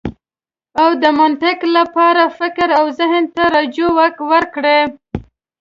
او د منطق لپاره فکر او زهن ته رجوع وکړئ.